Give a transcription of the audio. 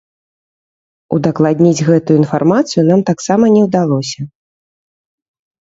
Удакладніць гэтую інфармацыю нам таксама не ўдалося.